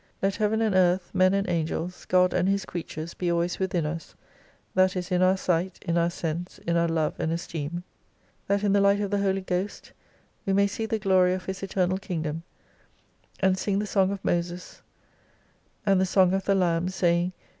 Let heaven and earth, men and angels, God and His creatures be always within us, that is in our sight, in our sense, in our love and esteem : that in the light of the Holy Ghost we may see the glory of His Eternal Kingdom, and sing the song of Moses, and the song of the Lamb saying.